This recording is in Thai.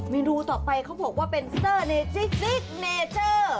เมนูต่อไปเขาบอกว่าเป็นเซอร์เนจิ๊กเนเจอร์